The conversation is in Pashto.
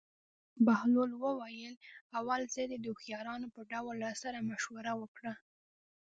بهلول وویل: اول ځل دې د هوښیارانو په ډول راسره مشوره وکړه.